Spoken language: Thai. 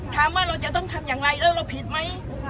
ถามว่าเราจะต้องทำอย่างไรแล้วเราผิดไหมค่ะ